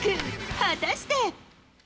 果たして？